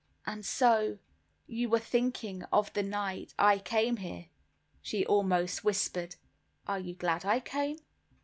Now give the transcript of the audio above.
"And so you were thinking of the night I came here?" she almost whispered. "Are you glad I came?"